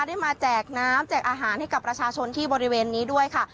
ได้มาแจกน้ำแจกอาหารให้กับประชาชนที่บริเวณนี้ด้วยค่ะ